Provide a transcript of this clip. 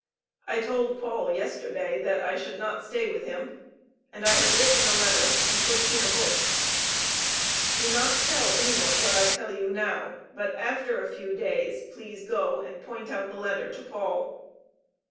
I told Paul yesterday that I should not stay with him, and I have written a letter and put it in a book. Do not tell any one what I tell you now. But after a few days, please go and point out the letter to Paul."